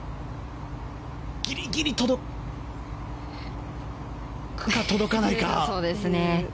ギリギリ届くか届かないか。